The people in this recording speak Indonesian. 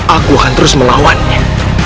aku akan terus melawannya